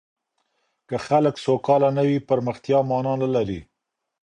که خلګ سوکاله نه وي، پرمختيا مانا نلري.